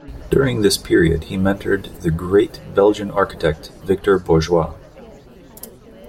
During this period, he mentored the great Belgian architect, Victor Bourgeois.